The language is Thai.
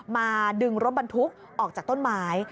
มาดึงรถบรรทุกออกจากต้นไม้